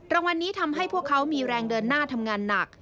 รางวัลนี้ทำให้พวกเขามีแรงเดินหน้าทำงานหนัก